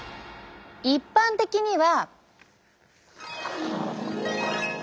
一般的には。